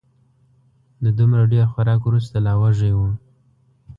د دومره ډېر خوراک وروسته لا وږی و